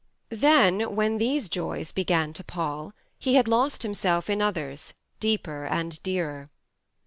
Then, when these joys began to pall, he had lost himself in others deeper and dearer.